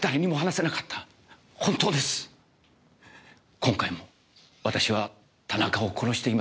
今回も私は田中を殺していません。